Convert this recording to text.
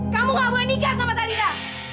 kamu gak mau nikah sama talia